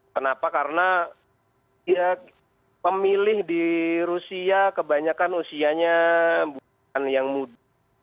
kenapa karena ya pemilih di rusia kebanyakan usianya bukan yang muda